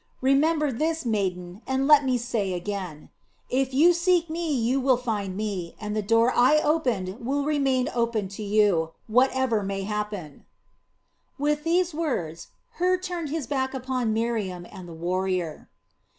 Remember this, maiden, and let me say again: "If you seek me you will find me, and the door I opened will remain open to you, whatever may happen!" With these words Hur turned his back upon Miriam and the warrior.